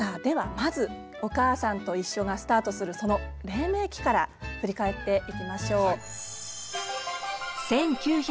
まず「おかあさんといっしょ」がスタートするその黎明期から振り返っていきましょう。